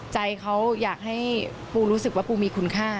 ใจเขาอยากให้ปูรู้สึกว่าปูมีคุณค่า